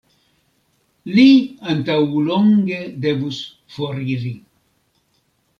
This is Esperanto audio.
Li antaŭlonge devus foriri.